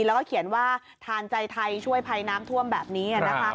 แล้วก็เขียนว่าทานใจไทยช่วยภัยน้ำท่วมแบบนี้นะครับ